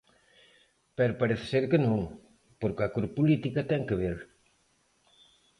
Pero parece ser que non, porque a cor política ten que ver.